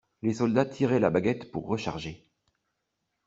Les soldats tiraient la baguette pour recharger.